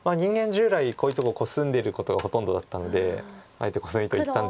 従来こういうとこコスんでることがほとんどだったのであえてコスミと言ったんですが。